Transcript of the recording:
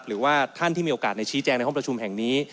หรือว่าท่านที่มีโอกาสในชี้แจงในห้องประชุมแห่งนี้